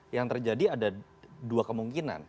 yang terjadi ada dua kemungkinan